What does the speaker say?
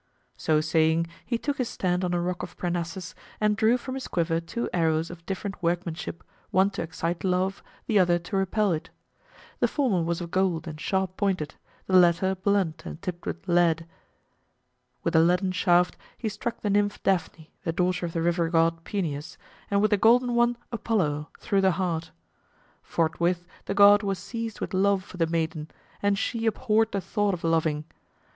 So saying, he took his stand on a rock of Parnassus, and drew from his quiver two arrows of different workmanship, one to excite love, the other to repel it. The former was of gold and sharp pointed, the latter blunt and tipped with lead. With the leaden shaft he struck the nymph Daphne, the daughter of the river god Peneus, and with the golden one Apollo, through the heart. Forthwith the god was seized with love for the maiden, and she abhorred the thought of loving.